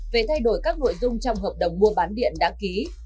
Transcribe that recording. về thay đổi các nội dung trong hợp đồng mua bán điện đã ký